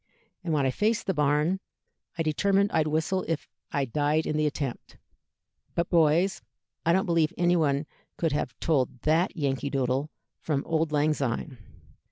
And when I faced the barn I determined I'd whistle if I died in the attempt; but, boys, I don't believe anybody could have told that 'Yankee Doodle' from 'Auld Lang Syne.'